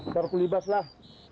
taruh kulibas lah